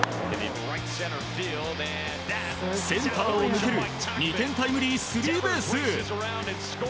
センターを抜ける２点タイムリースリーベース！